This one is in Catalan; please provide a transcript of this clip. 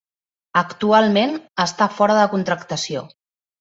Actualment està fora de contractació.